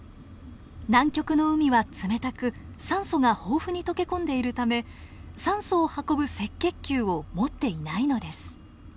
南極の海は冷たく酸素が豊富に溶け込んでいるため酸素を運ぶ赤血球を持っていないのです。